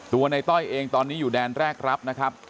ในต้อยเองตอนนี้อยู่แดนแรกรับนะครับ